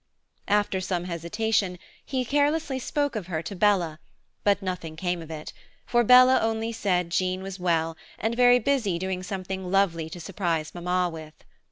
After some hesitation, he carelessly spoke of her to Bella, but nothing came of it, for Bella only said Jean was well, and very busy doing something lovely to surprise Mamma with.